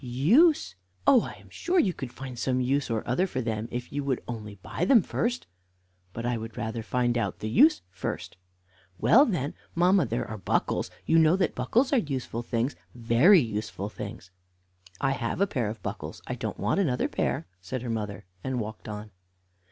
"Use! Oh, I am sure you could find some use or other for them if you would only buy them first." "But I would rather find out the use first." "Well, then, mamma, there are buckles; you know that buckles are useful things, very useful things." "I have a pair of buckles; I don't want another pair," said her mother, and walked on.